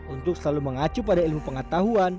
untuk selalu mengacu pada ilmu pengetahuan